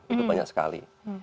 itu banyak sekali